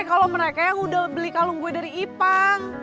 kalo mereka yang udah beli kalung gue dari ipang